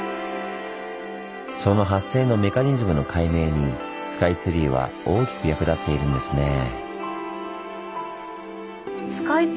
その発生のメカニズムの解明にスカイツリーは大きく役立っているんですねぇ。